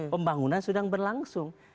pembangunan sudah berlangsung